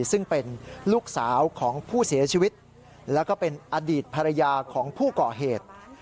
ซึ่งเป็นลูกสาวของผู้เสียชีวิตแล้วก็เป็นอดีตภรรยาของผู้ก่อเหตุ